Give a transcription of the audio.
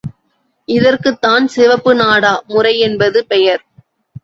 இதற்குத் தான் சிவப்பு நாடா முறை என்பது பெயர்.